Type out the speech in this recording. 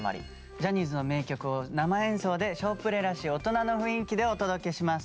ジャニーズの名曲を生演奏で「少プレ」らしい大人の雰囲気でお届けします。